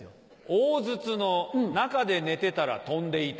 大筒の中で寝てたら飛んでいた。